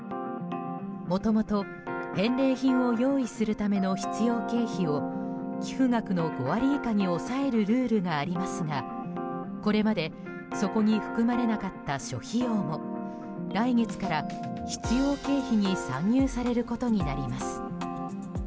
もともと返礼品を用意するための必要経費を寄付額の５割以下に抑えるルールがありますがこれまで、そこに含まれなかった諸費用も来月から必要経費に算入されることになります。